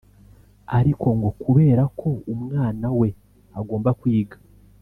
ariko ngo kubera ko umwana we agomba kwiga